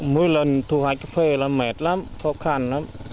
mỗi lần thu hoạch về là mệt lắm khó khăn lắm